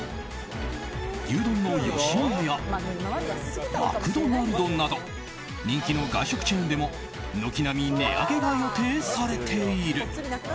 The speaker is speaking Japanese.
牛丼の吉野家やマクドナルドなど人気の外食チェーンでも軒並み値上げが予定されている。